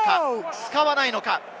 使わないのか？